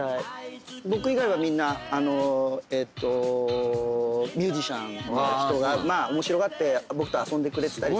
僕以外はみんなミュージシャンの人が面白がって僕と遊んでくれてたりするんで。